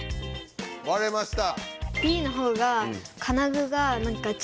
われました。